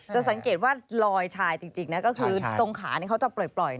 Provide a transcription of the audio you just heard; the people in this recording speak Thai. จะสังเกตว่าลอยชายจริงนะก็คือตรงขาเขาจะปล่อย